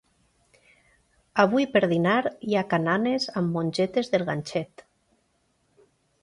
Avui per dinar hi ha cananes amb mongetes del ganxet